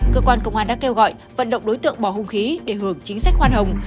cơ quan công an đã kêu gọi vận động đối tượng bỏ hung khí để hưởng chính sách khoan hồng